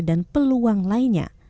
dan peluang lainnya